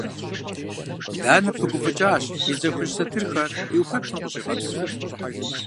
Данэ пыгуфӏыкӏащ, и дзэ хужь сэтырхэр и ӏупэплъым къыщӏигъэпсыу.